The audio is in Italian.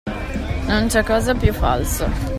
Non c’è cosa più falsa